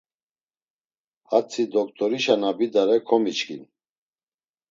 Hatzi doktorişa na bidare komiçkin.